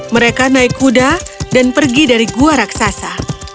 mereka naik kuda dan pergi dari gua raksasa